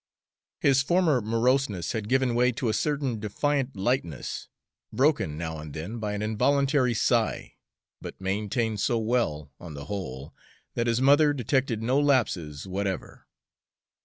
His former moroseness had given way to a certain defiant lightness, broken now and then by an involuntary sigh, but maintained so well, on the whole, that his mother detected no lapses whatever.